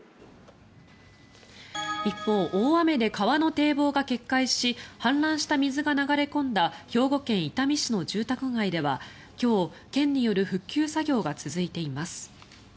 一方、大雨で川の堤防が決壊し氾濫した水が流れ込んだ兵庫県伊丹市の住宅街では今日、県による復旧作業が続いています。